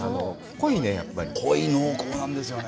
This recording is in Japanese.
濃い、濃厚なんですよね。